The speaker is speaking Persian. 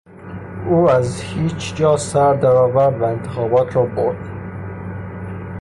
او از هیچ جا سردرآورد و انتخابات را برد!